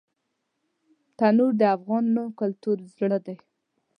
تنور د افغان کلیو زړه دی